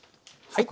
はい。